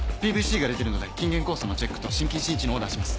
ＰＶＣが出てるので筋原酵素のチェックと心筋シンチのオーダーします。